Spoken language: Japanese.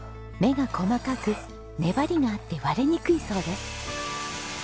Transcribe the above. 目が細かく粘りがあって割れにくいそうです。